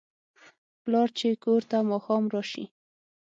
پلار چې کور ته ماښام راشي